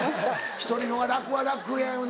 １人のほうが楽は楽やよな。